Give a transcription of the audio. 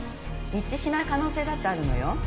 一致しない可能性だってあるのよ。